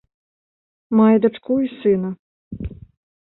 Мае дачку і сына.